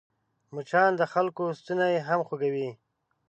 مچان د خلکو ستونی هم خوږوي